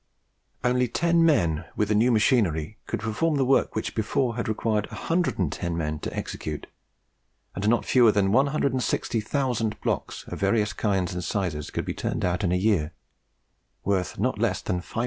Only ten men, with the new machinery, could perform the work which before had required a hundred and ten men to execute, and not fewer than 160,000 blocks of various kinds and sizes could be turned out in a year, worth not less than 541,000L.